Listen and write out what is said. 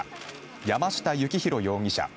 山下幸弘容疑者